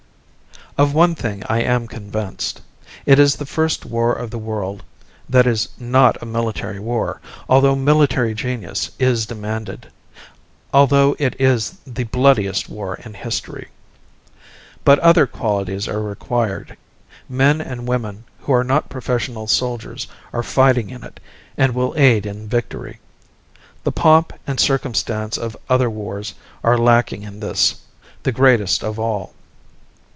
Of one thing I am convinced. It is the first war of the world that is not a miltary war, although miltary genius is demanded, although it is the bloodiest war in history. But other qualities are required; men and women who are not professional soldiers are fighting in it and will aid in victory. The pomp and circumstance of other wars are lacking in this, the greatest of all.